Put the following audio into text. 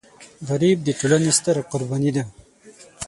غریب د ټولنې ستره قرباني ده